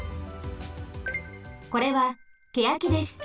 これはケヤキです。